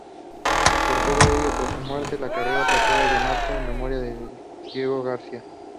Por todo ello tras su muerte la carrera pasó a llamarse "Memorial Diego García".